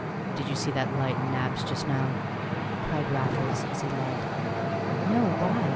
"Did you see that light in Nab's just now?" cried Raffles as he led. "No; why?"